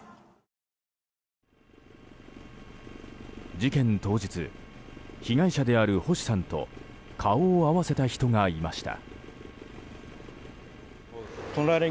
事件当日被害者である星さんと顔を合わせた人がいました。